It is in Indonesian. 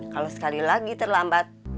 kalau sekali lagi terlambat